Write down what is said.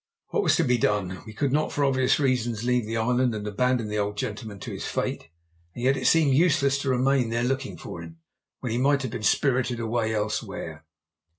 What was to be done? We could not for obvious reasons leave the island and abandon the old gentleman to his fate, and yet it seemed useless to remain there looking for him, when he might have been spirited away elsewhere.